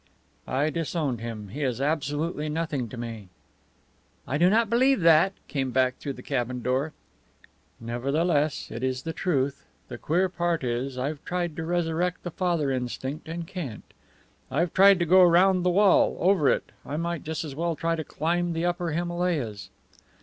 "I disowned him. He is absolutely nothing to me." "I do not believe that," came back through the cabin door. "Nevertheless, it is the truth. The queer part is, I've tried to resurrect the father instinct, and can't. I've tried to go round the wall over it. I might just as well try to climb the Upper Himalayas."